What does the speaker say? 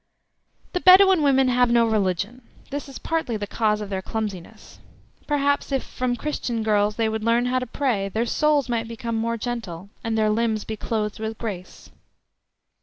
The Bedouin women have no religion. This is partly the cause of their clumsiness. Perhaps if from Christian girls they would learn how to pray, their souls might become more gentle, and their limbs be clothed with grace.